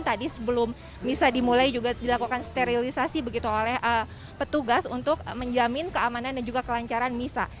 tadi sebelum misa dimulai juga dilakukan sterilisasi begitu oleh petugas untuk menjamin keamanan dan juga kelancaran misa